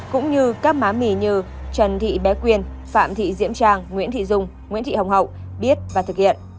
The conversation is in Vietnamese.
cũng như các má mì như trần thị bé quyền phạm thị diễm trang nguyễn thị dung nguyễn thị hồng hậu biết và thực hiện